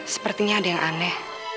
sepertinya ada yang aneh